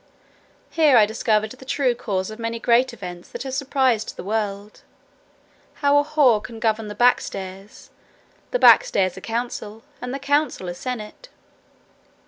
Here I discovered the true causes of many great events that have surprised the world; how a whore can govern the back stairs, the back stairs a council, and the council a senate.